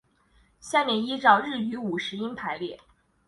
下面依照日语五十音排列。